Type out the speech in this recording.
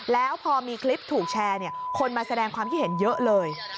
แล้วพอมีคลิปถูกแชร์คนมาแสดงความคิดเห็นเยอะเลย